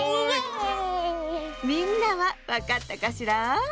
みんなはわかったかしら？